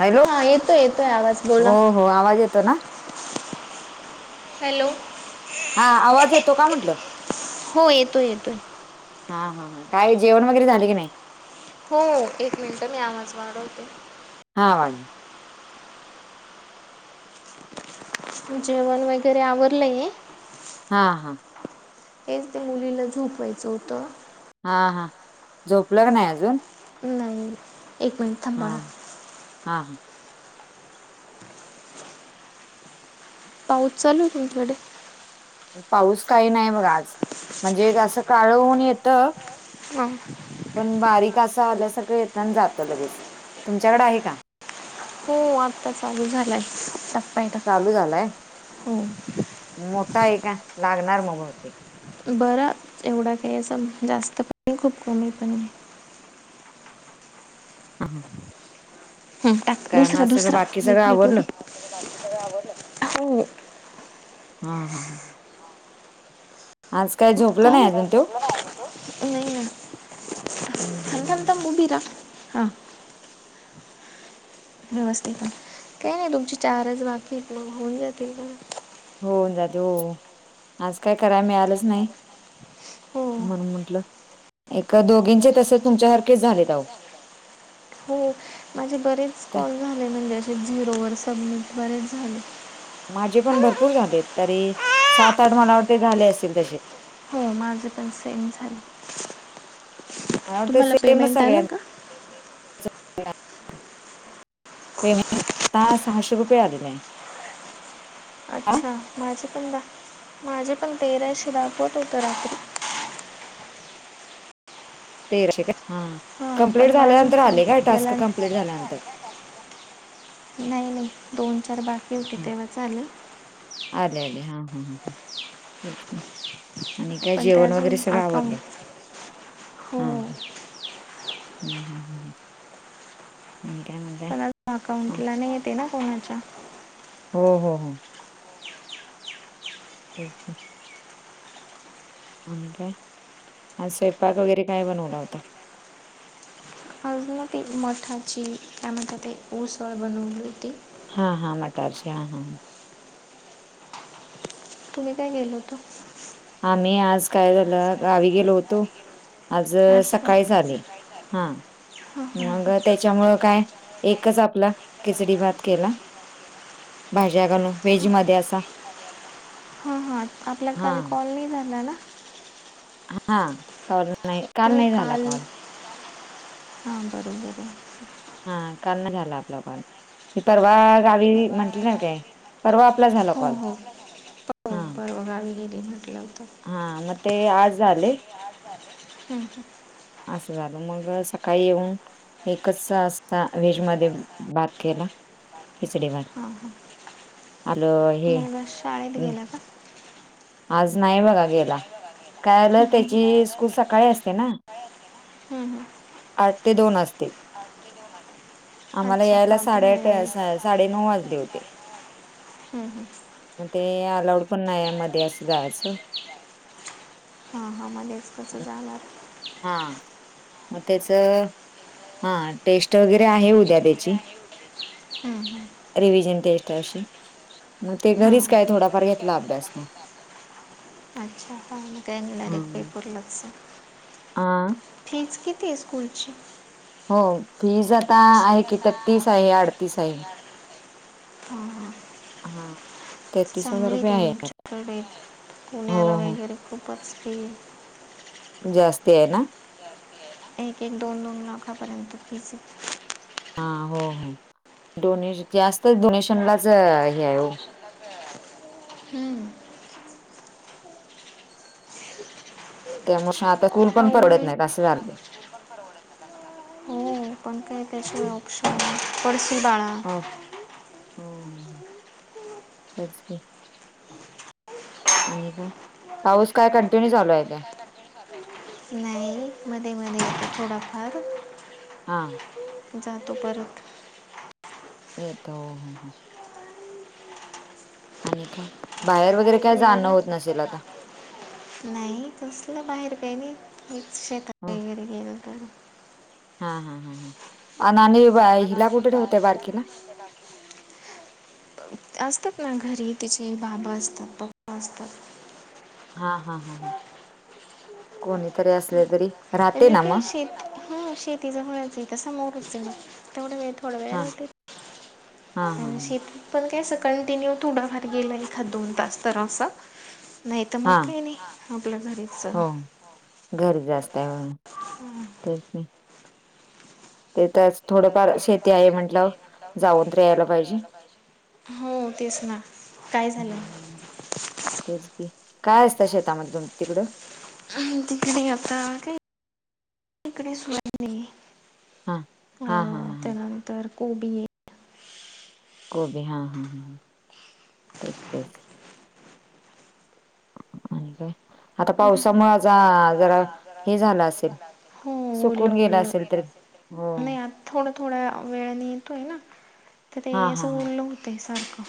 Hello हा येतोय येतोय आवाज हो बोला हो आवाज येतो ना हॅलो हा आवाज येतो काय म्हंटलं हो येतोय येतोय हा हा हां काय जेवण वगैरे झाले की नाही हो एक मिनिट मी आवाज वाढवते हा वाढ जेवण वगैरे आवरडलं हा हा हेच ते मुलीला झोपवायचं होतं हा हा झोपलं नाही अजून? नाही एक मिनटं हां हा हा पाऊस चालू आहे तुमच्याकडे? पाऊस काही नाही मग आज म्हणजे असं काळ ऊन येतं हम्म पण बारीक असं आल्या सारं येेतना जातं लगेच तुमच्याकडे आहे का? खूप वाटता चालू झालाय टपपायला चालू झालंय हो मोठा आहे का लागणार मग बहुतेक बर एवढा काही असं जास्त पण खूप कमी पण हा हा हा दुसरा दुसरा बाकी सगळं न आवरलं टोपी हो हा हा हा आज काय झोप काय नाही नाही ना थांब उशी राहा हां नमस्ते का काही नाही तुमची चारज बाकीत ना होऊन जातील का होऊन जाते हो, आज काय कराय मिळालंच नाही. हो म्हणून म्हंटल, एक दोघींचे तसे तुमच्या सारखेच झालेत आहो. हो, माझे बरेच त्या कॉल झाले म्हणजे असे झिरोवर सबमिट बरेच झाले. माझे पण भरपूर झालेत तरी, सात आठ मला वाटतं झाले असतील तसे. हो माझं पण सेम झालंय. मला वाटते तुम्हाला सेमच पेमेंट आलं का? सगळ्यांच पेमेंट, [unintelligible] सहाशे रुपया आले नाही, आ. अच्छा माझे पण, [unintelligible] माझे पण तेराशे दाखवत होत रात्री. तेराशे का हा, हां पण कंप्लीट माझं अजून झाल्यानंतर आले काय काही टास्क याला कंप्लीट झाल्यानंतर. नाही नाही, दोन चार बाकी होते तेव्हाच आले. आले आले हां हां, तेच की, आणि काय पण ते जेवण वगैरे अजून सगळं अकाउंट आवरडलं? हो हां, हम्म हम्म हम्म. आणि काय म्हणताय? पण हो अकाउंटला नाही येते ना कोणाच्या? हो हो हो. त्यात ते. आणि काय, आज स्वयंपाक वगैरे काय बनवला होता. आज ना मठाची काय म्हनतात ते ऊसळ बनवली होती. हा हा मटारची हा हा. तुम्ही काय केल होत? आम्ही आज काय झालं गावी गेलो होतो. आज अच्छा सकाळीच आले, हा, हां हां मग हां त्याच्यामुळ काय एकच आपला, खिचडी भात केला, भाज्या घालून व्हेज मध्ये असा. हा हा, आपला हा काल कॉल नाही झाला ना. हा. कॉल नाही. तुम्ही नाही झाला काल, कॉल. हा बरोबर ये. हा काल नाही झाला आपल्या कॉल, ते परवा गावी म्हंटल नाही काय? परवा आपला झाला कॉल, हा. अ गावी. म्हटलं होतं. हा म ते आज आले. हम् हम. असं झालं मग सकाळी येऊन एकच असता व्हेज मध्ये भात केला, खिचडीभात. हां हां आलोय. मुलगा शाळेत गेला का? आज नाही बघा गेला, काय आलं हं, हं, त्याची स्कूल सकाळी असते ना. हम् हम. आठ ते दोन असते. आम्हाला अच्छा यायला हां साडेआठ, तुम्हाला साडेनऊ वाजले होते. हम्म हम्म. म ते अलाऊड पण नाहीये मध्ये असं जायाच. हां हां मध्येच कसं जाणार. हां. म त्याच, हा टेस्ट वगैरे आहे उद्या त्याची. हम्म हम्. रिव्हजन टेस्ट अशी, म ते घरीच हां काय थोडाफार घेतला अभ्यास म. [inaudible] अच्छा हा म काहीेडयरेक् पपूर्लगस [inaudible] हां फिज किती आहे स्कूलची? हो फीज आता आहे कि त्या तस आहे अडतीस आहे हां हां हा तेहतीस हजार रुपये आहेत तरीर हो हो मागरी खपारसप जास्ती आहे ना. एक एक दोन दोन लाखापर्यंत फिस- हा हो हो डोनेश जास्त डोनेशनलाच हे आहे हो. हम्म त्यामुळे आता स्कूल पण परवडत नाहीत असे झाले. हम्म आमही त्या अस ऑप्शन पसू बाळा [inaudible] हा ह तेच आणि का पाऊस काय कंटिन्यू चालू आहे का? नाही मध्ये मध्ये- थोडाफार हा जातो परत एतो हो हो आणि काय बाहेर वगैरे काय जाणं यायला होत नसेल आता. नाही कसलं बाहेर काही नाही शेतात. हा गेल तर. हा हा हा हा आणि हिला कुठे ठेवते बारकीला? असतात ना घरी तिचे बाबां असतात पप्पा असतात. हा हा हा ह कोणीतरी असले तरी. राहते मी ना का मग शेत ह शेती ज होण्याच तसमोरच येव तेवढं मी थोडं वेळ हा होते. हा हा आणि हा शेतीत पण काय अस कंटिन्यू थोडाफार गेला एखाद दोन तास तर असं- नाही तर मग हा काही नाही आपल्या घरीच. घरी जास्त आहे हं. तेच - ते तर थोडंफार शेती आहे म्हटलं जाऊन तर यायला पाहिजे. हो तेच ना काय झालंय. हम्म. तेच की काय असत शेतामध्ये तिकडं? तिकडे आता काही तिकडे सोयाबीन - हां त्यानंतर कोबी, कोबी हा हा ह - आणि काय? आता पावसामुळ जा जरा हे झालं असेल हो ओलं सुकून गेलं ओलं असेल तररी. हो तरी नाही आता थोडं थोड्या वेळाने येतोय ना तर हा हा असं हा ओलं होतें सारखं.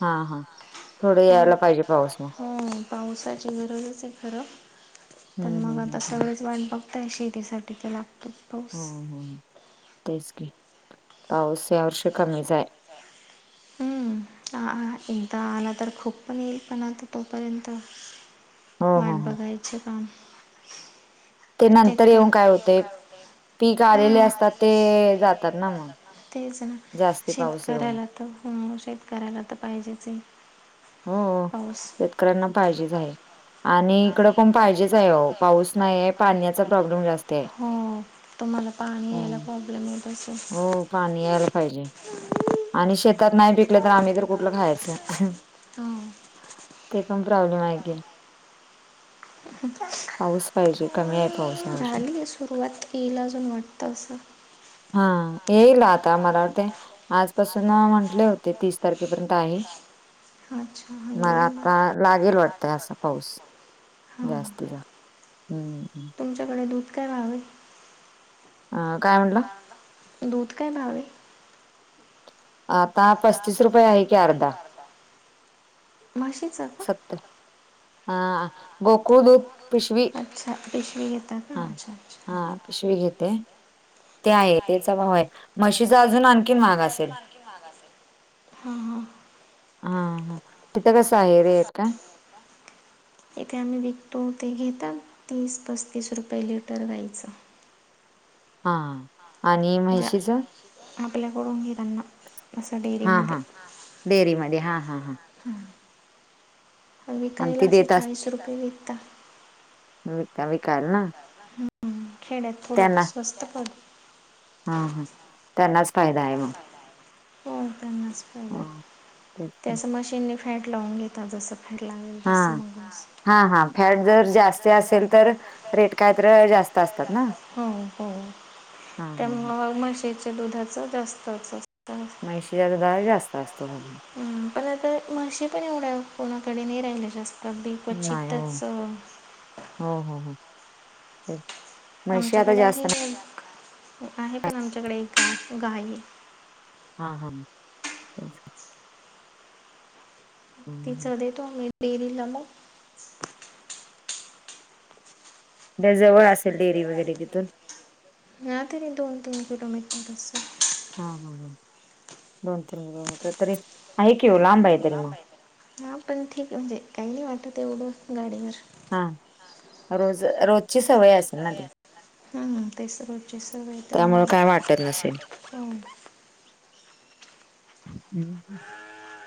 हा हा थोडं यायला पाहिजे पाऊस मग हो पावसाची गरजच आहे खरं. पण हम्म मग हम्म हम्म आता हम्म सगळेच वाट बघताय शेतीसाठी ते लागत. हो तेच कि पाऊस या वर्षी कमीच आहे. हम्म आ एकदा आला तर खूप पण येईल पण आता तोपर्यंत, हो वाट हो हो बघायचं काम. ते नंतर येऊन काय त्याच्यानंतर होतय पीक आलेले, असतात ते जातात ना मग. तेच ना जास्ती पाऊस येऊन शेतकऱ्याला तर हो, शेतकऱ्याला तर पाहिजेच. पाऊस सक्यांना शेतकऱ्यांना पाहिजेच आहे. आणि इकडं पण पाहिजेच आहे, हो पाऊस नाही आहे. पाण्याचा प्रॉब्लेम जास्त आहे. हो तुम्हाला पाणी, यायला हम्म. प्रॉब्लेम येत असलं. हो पाणी यायला पाहिजे. आणि शेतात नाही पिकलं, तर आम्ही तर कुठलं खायाचं. हा ते पण प्रॉब्लेम आहे चे पाऊस पाहिजे कमी आहे. पाऊस या वर्षी झालीये सुरुवात येईल अजून वाटतं असं हा येईल आता मला वाटते. आजपासून म्हंटले होते तीस तारखेपर्यंत आहे. अच्छा हा मला येईल मग आता ला लागेल वाटतय असा पाऊस पाऊस. हां जास्ती हम्म तुमच्याकडे दूध काय व भाव आहे. अ काय म्हणला दूध काय भाव ये आता पस्तीस रुपये आहे की अर्धा म्हशीच सत्तर हा गोकुळ दूध पिशवी अच्छा पिशवी घेतात. हा हा पिशवी घेते ते आहे तेचा भाव आहे म्हशीचा अजून आणखीन महाग म्हशीच अजून, असेल आणखी महाग असेल. हा हा तिथं कस आहे रेट काय इथे आम्ही, विकतो ते घेतात. तीस पस्तीस रुपये लिटर गाईचं हा आणि म्हणजे आणि म्हशीच आपल्याकडून घेताना आसा टे हां हां डेअरी मध्ये हां हां हां ह आणि विकायला ती असं देत चाळीस रुपये विकता विकता विकाल ना खेडयात थोडं त्यांना स्वस्त पडत. हा हा त्यांनाच फायदा आहे मग हो त्यांनाच अ हो तेच ते की असं मशीनने फॅट लावून घेतात जस फॅट लागेल हा तस मग हा फॅट हा फॅट जास्ती जर असेल जास्त, तर असेल रेट काय जास्त तर असतात ना जास्त असते हो हो हा हा हा त्यामुळ मग म्हशीच्या दुधाच जास्तच अस म्हशीच्या दुधाला जास्त असतो म्हणून पण आता तर म्हशी पण एवढ्या, कोणाकडे नाही राहिल्या जास्त बिक व नाही हो चित्तच हो हो हो तेच म्हशी आता आमच्याकडे जास्त आहे ना एक आहे, पण आमच्याकडे एक गाई हा हा तीच हम्म. देतो आम्ही पेरीला मग त्या जवळ असेल डेअरी वगैरे तिथून नाही तरी दोन तीन किलोमीटर बस आहे. हा हा ह दोन तीन किलो म्हटल तरी. आहे की ओ लांब आहे कुठतरी मग हा पण ठीक म्हणजे काही, नाही वाटत एवढं गाडीवर हा रोज रोजची सवय असेल ना तुम्ही हम ते सर्वचे सर्व येतमु. त्यामुळे काय वाटत नसेल.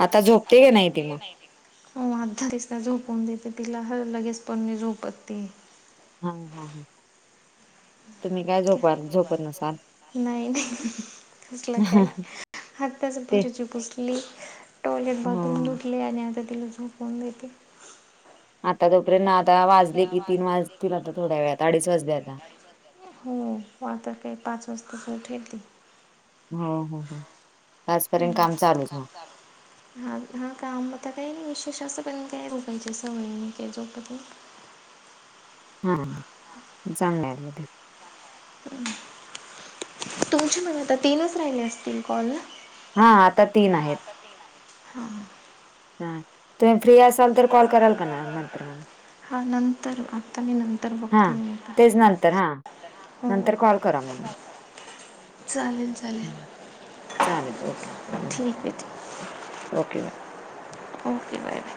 आता झोपते का नाहीती मग हो अर्धा [unintelligible] झोपून देते तिला ह लगेच पण नाही झोपत ती. हा हा हा तुम्ही काय झोपा झोपत नसाल. नाही नाही तसलं काही आताच ते फरची पुसली. टॉयलेट बाथरूम हम्म. धुतले आणी आता तिला झोपवून देते. आता तोपर्यंत आता वाजले की तीन वाजतील आता थोड्या वेळात अडीच वाजले आता हो आता. आता काय पाच वाजताच उठेल ती हो हो हो. आजपर्यंत हम्म. काम चालूच मग. हा हा काम आता काय नाही विशेष असं पण काय झोपायची सवय नाही काही झोपत नाही. हा चांगलं आहे मते. तुमचे पण आता तीनच राहिले असतील कॉल ना. हा आता तीन आहेत. हां हा तुम्ही फ्री असाल तर कॉल कराल का ना नंतर मंग. हा नंतर आत्ता आणि नंतर हा बघते मिळता. [unintelligible] तेच नंतर हा. नंतर कॉल करा म्हणून. चालेल चालेल हं, चालेल ओके ठीक हे ठीक हे. ओके. Okay bye bye.